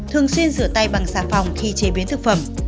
thường xuyên rửa tay bằng xà phòng khi chế biến thực phẩm